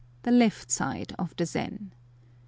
_ the left, side of the zen.